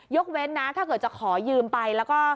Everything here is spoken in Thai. ยกเว้นนะถ้าเกิดจะขอยืมไปแล้วก็